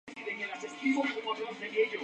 ¿usted no habría partido?